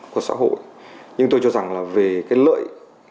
của xã hội nhưng tôi cho rằng là về cái lợi